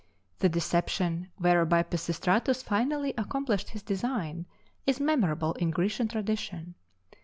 The deception, whereby Pisistratus finally accomplished his design, is memorable in Grecian tradition.